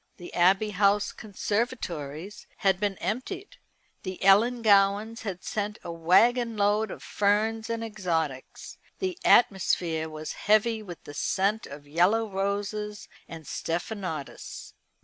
The Abbey House conservatories had been emptied the Ellangowans had sent a waggon load of ferns and exotics. The atmosphere was heavy with the scent of yellow roses and stephanotis.